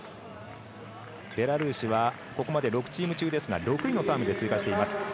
ベラルーシはここまで６チーム中６位のタイムで通過しています。